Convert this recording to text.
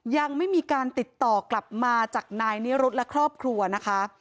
ยังไม่มีการติดต่อกลับมาจากนายนิรุธและครอบครัวนะคะ